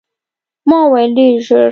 ما وویل، ډېر ژر.